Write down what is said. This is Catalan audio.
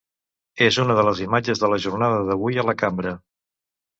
És una de les imatges de la jornada d’avui a la cambra.